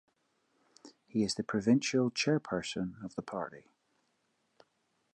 He is the Provincial Chairperson of the party.